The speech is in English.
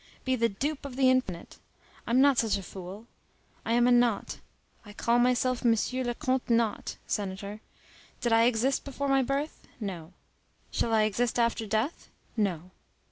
Be the dupe of the infinite! I'm not such a fool. I am a nought. I call myself Monsieur le Comte Nought, senator. Did I exist before my birth? No. Shall I exist after death? No.